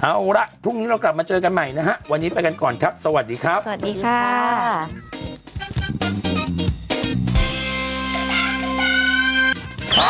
เอาละพรุ่งนี้เรากลับมาเจอกันใหม่นะฮะวันนี้ไปกันก่อนครับสวัสดีครับสวัสดีค่ะ